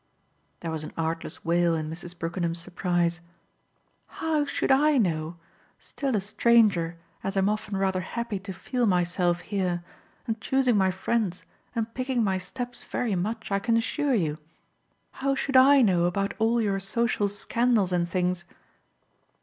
There was an artless wail in Mrs. Brookenham's surprise. "How should I know still a stranger as I'm often rather happy to feel myself here and choosing my friends and picking my steps very much, I can assure you how should I know about all your social scandals and things?"